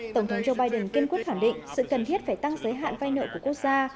tổng thống joe biden kiên quyết khẳng định sự cần thiết phải tăng giới hạn vai nợ của quốc gia